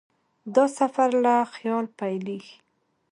دا سفر له خیال پیلېږي.